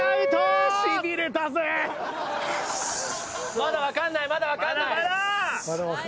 まだわかんないまだわかんない。